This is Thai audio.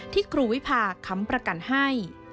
ครูวิพาค้ำประกันให้